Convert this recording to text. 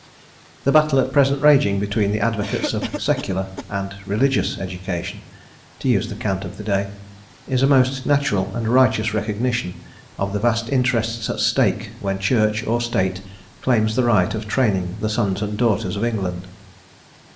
The battle at present raging between the advocates of "secular" and "religious" education to use the cant of the day is a most natural and righteous recognition of the vast interests at stake when Church or State claims the right of training the sons and daughters of England.